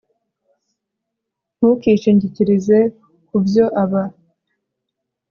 Ntukishingikirize ku byo aba